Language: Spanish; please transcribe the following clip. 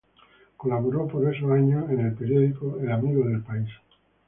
Colaboró por esos años en el periódico "El amigo del país".